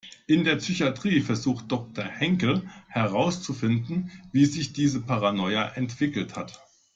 In der Psychiatrie versucht Doktor Henkel herauszufinden, wie sich diese Paranoia entwickelt hat.